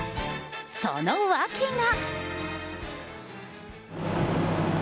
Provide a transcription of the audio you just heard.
その訳が。